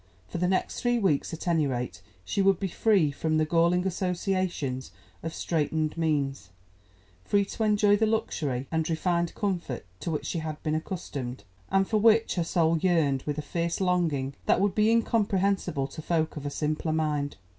For the next three weeks, at any rate, she would be free from the galling associations of straightened means—free to enjoy the luxury and refined comfort to which she had been accustomed, and for which her soul yearned with a fierce longing that would be incomprehensible to folk of a simpler mind.